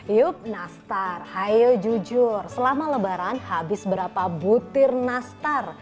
yup nastar ayo jujur selama lebaran habis berapa butir nastar